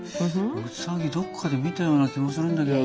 ウサギどっかで見たような気もするんだけどな。